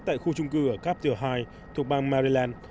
tại khu trung cư ở capital high thuộc bang maryland